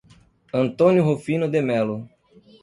Antônio Rufino de Melo